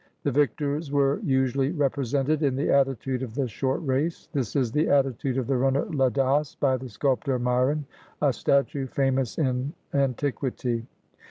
The victors were usu ally represented in the attitude of the short race; this is the attitude of the runner Ladas, by the sculptor Myron, a statue famous in antiquity.